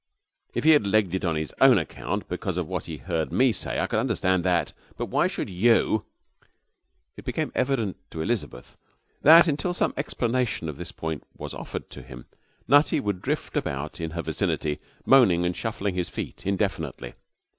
If he had legged it on his own account, because of what he heard me say, I could understand that. But why should you ' It became evident to Elizabeth that, until some explanation of this point was offered to him, Nutty would drift about in her vicinity, moaning and shuffling his feet indefinitely.